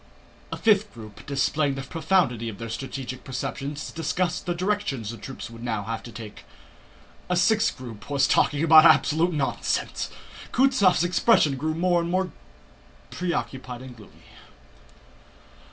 A fifth group, displaying the profundity of their strategic perceptions, discussed the direction the troops would now have to take. A sixth group was talking absolute nonsense. Kutúzov's expression grew more and more preoccupied and gloomy.